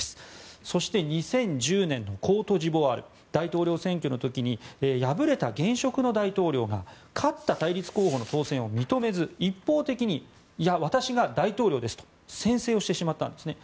そして、２０１０年のコートジボワール大統領選挙の時に敗れた現職の大統領が勝った対立候補の当選を認めず一方的に、私が大統領ですと宣誓してしまったんですね。